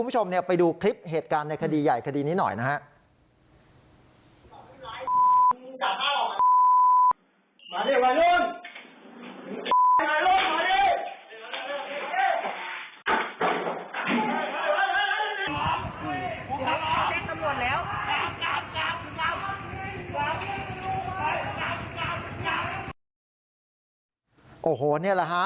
โอ้โหนี่แหละฮะ